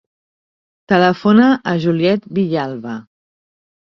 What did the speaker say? Telefona a la Juliet Villalba.